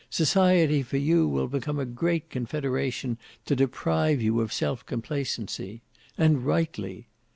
Society for you will become a great confederation to deprive you of self complacency. And rightly.